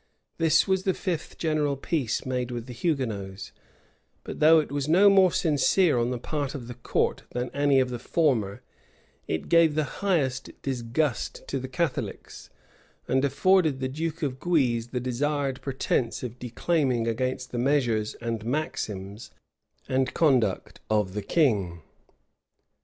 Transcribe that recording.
This was the fifth general peace made with the Hugonots, but though it was no more sincere on the part of the court than any of the former, it gave the highest disgust to the Catholics; and afforded the duke of Guise the desired pretence of declaiming against the measures, and maxims, and conduct of the king.